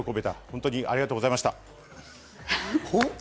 本当に今回ありがとうございました。